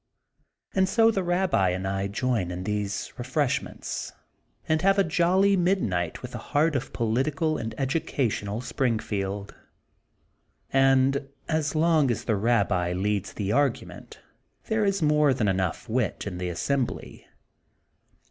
And so the Rabbi and I join in these re freshments and have a jolly midnight with the heart of political and educational Spring field and, as long as the Rabbi leads the argu ment, there is more than enough wit in the assembly.